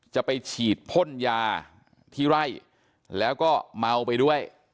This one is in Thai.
จะไปฉีดพ่นยาที่ไร่แล้วก็เมาไปด้วย